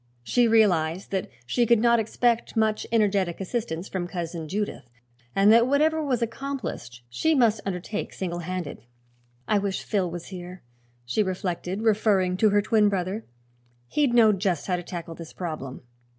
She realized that she could not expect much energetic assistance from Cousin Judith and that whatever was accomplished she must undertake single handed. "I wish Phil was here," she reflected, referring to her twin brother; "he'd know just how to tackle this problem."